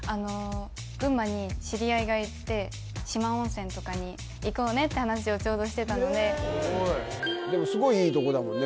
群馬に知り合いがいて四万温泉とかに行こうねって話をちょうどしてたのででもすごいいいとこだもんね